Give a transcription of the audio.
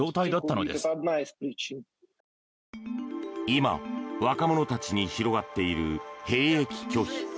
今、若者たちに広がっている兵役拒否。